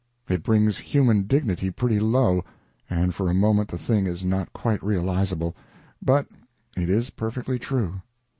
It brings human dignity pretty low, and for a moment the thing is not quite realizable—but it is perfectly true.